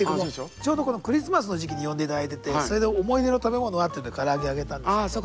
ちょうどこのクリスマスの時期に呼んでいただいててそれで「思い出の食べ物は？」っていうんでからあげ挙げたんですけど。